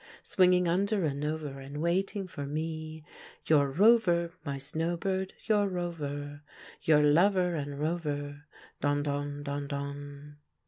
Swinging under and over and waiting for me. Your rover, my snow bird, your rover — Your lover and rover, don, don !... don, don!"